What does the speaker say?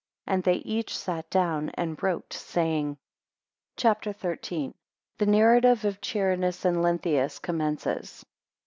And they each sat down and wrote, saying: CHAPTER XIII. 1 The narrative of Charinus and Lenthius commences.